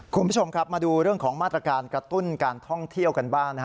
คุณผู้ชมครับมาดูเรื่องของมาตรการกระตุ้นการท่องเที่ยวกันบ้าง